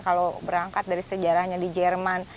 kalau berangkat dari sejarahnya di jerman